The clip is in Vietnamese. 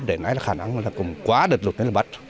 để nãy là khả năng mà là cũng quá đợt lụt nên là bắt